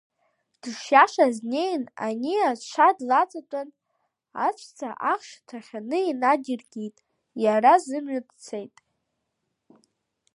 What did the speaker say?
Дышиашаз днеин ани аҽа длаҵатәан аҵәца ахш ҭахьаны инадиркит, иара зымҩа дцеит.